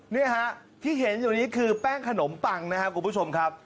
นี่ฮะที่เห็นอยู่นี้คือแป้งขนมปังนะครับคุณผู้ชมครับ